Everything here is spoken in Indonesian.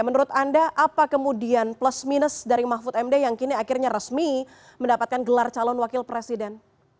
menurut anda apa kemudian plus minus dari mahfud md yang kini akhirnya resmi mendapatkan gelar calon wakil presiden